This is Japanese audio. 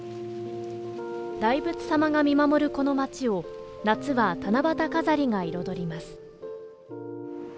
大仏様が見守るこの町を夏は「七夕飾り」が彩ります。